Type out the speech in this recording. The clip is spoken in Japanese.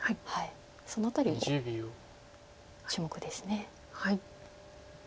その辺りも注目です。